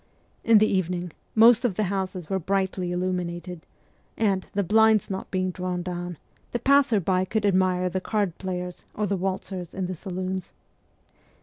In the evening most of the houses were brightly illuminated, and, the blinds not being drawn down, the passer by could admire the card players or the waltzers in the saloons.